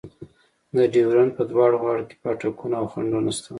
د ډیورنډ په دواړو غاړو کې پاټکونه او خنډونه شته.